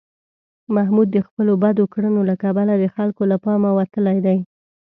محمود د خپلو بدو کړنو له کبله د خلکو له پامه وتلی دی.